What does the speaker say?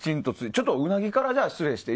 ちょっと、うなぎから失礼して。